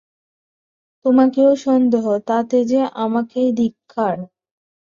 তোমাকেও সন্দেহ, তাতে যে আমাকেই ধিক্কার!